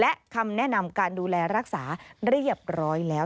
และคำแนะนำการดูแลรักษาเรียบร้อยแล้ว